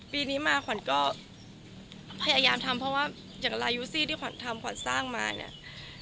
ปีนี้มาขวัญก็พยายามทำเพราะว่าอย่างลายูซี่ที่ขวัญทำขวัญสร้างมาเนี่ย